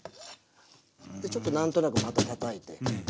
ちょっと何となくまたたたいて。